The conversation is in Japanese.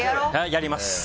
やります。